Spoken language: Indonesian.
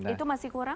itu masih kurang